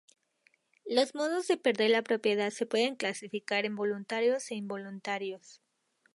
Los modos de perder la propiedad se pueden clasificar en voluntarios e involuntarios.